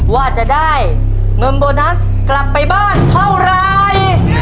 ว่าจะได้เงินโบนัสกลับไปบ้านเท่าไร